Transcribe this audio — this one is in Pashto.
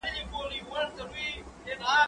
زه به سبا درسونه اورم وم،